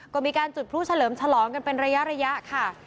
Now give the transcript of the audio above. ก็มีการจุดพลุเฉลิมฉลองกันเป็นระยะค่ะ